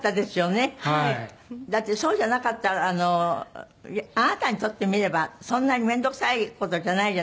だってそうじゃなかったらあのあなたにとってみればそんなに面倒くさい事じゃないじゃない。